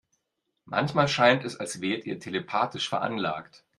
Manchmal scheint es, als wärt ihr telepathisch veranlagt.